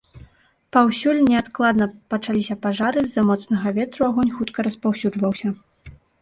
Паўсюль неадкладна пачаліся пажары, з-за моцнага ветру агонь хутка распаўсюджваўся.